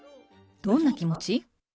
去年、どんな気持ち？